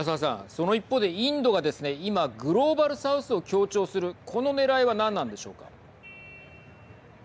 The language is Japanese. その一方でインドがですね、今グローバル・サウスを強調するこのねらいは何なんでしょうか。